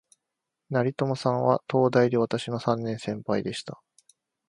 成友さんは、東大で私の三年先輩でした